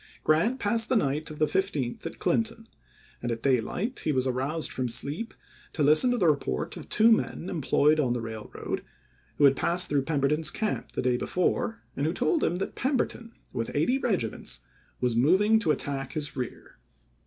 May, 1863. Grant passed the night of the 15th at Clinton, and at daylight he was aroused from sleep to listen to the report of two men employed on the rail road, who had passed through Pemberton's camp the day before, and who told him that Pemberton, with eighty regiments, was moving to attack his rear.